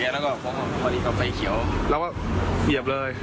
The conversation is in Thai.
แล้วก็เหยียบเลย